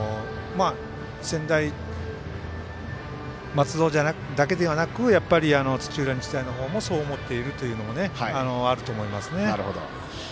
専大松戸だけではなくやっぱり、土浦日大の方もそう思っているというのはあると思いますね。